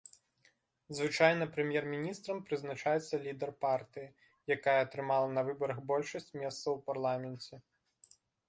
Звычайна прэм'ер-міністрам прызначаецца лідар партыі, якая атрымала на выбарах большасць месцаў у парламенце.